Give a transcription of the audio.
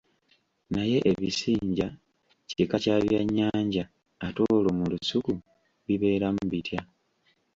Naye ebisinja kika kya byannyanja, ate olwo mu lusuku bibeeramu bitya?